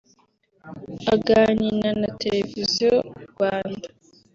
Aganina na Televiziyo Rwanda